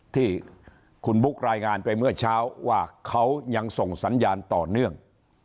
ที่คุณบุ๊ครายงานไปเมื่อเช้าว่าเขายังส่งสัญญาณต่อเนื่อง